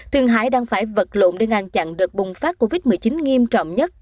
thường hải đang phải vật lộn để ngăn chặn đợt bùng phát covid một mươi chín nghiêm trọng nhất